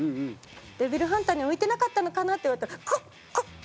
「デビルハンターには向いてなかったのかな？」って言われて「っこ！？きょっ」